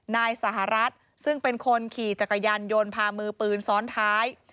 นายสหรัฐซึ่งเป็นคนขี่จักรยานยนต์พามือปืนซ้อนท้าย